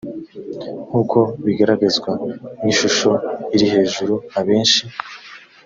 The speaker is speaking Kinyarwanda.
nkuko bigaragazwa n ishusho iri hejuru abenshi